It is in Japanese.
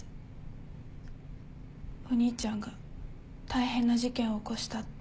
お兄ちゃんが大変な事件を起こしたって。